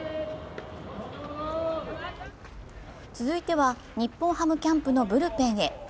続いては、日本ハムキャンプのブルペンへ。